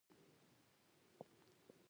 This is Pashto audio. د خلکو د ژوند سطح بهتره کړو.